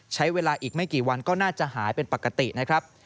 ใช้เวลาอีกไม่กี่วันก็น่าจะหายเป็นปกตินะครับ